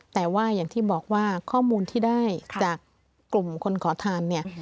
แต่ว่าอย่างที่บอกว่าข้อมูลที่ได้จากกลุ่มคนขอทานเนี่ย